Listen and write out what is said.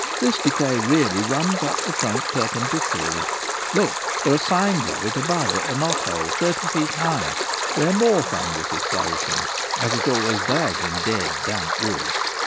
This decay really runs up the trunk perpendicularly : look, there are signs of it above at the knot hole, thirty feet high, where more fungus is flourishing, as it always does in dead damp wood.